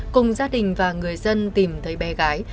cùng gia đình và người dân tìm thấy bé gái